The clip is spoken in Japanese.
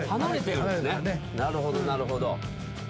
なるほどなるほど。